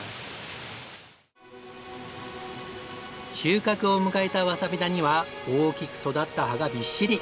収穫を迎えたわさび田には大きく育った葉がびっしり！